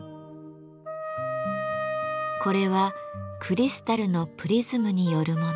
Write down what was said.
これはクリスタルのプリズムによるもの。